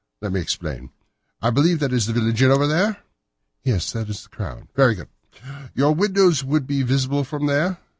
Let me explain. I believe that that is the village inn over there?" "Yes, that is the Crown." "Very good. Your windows would be visible from there?"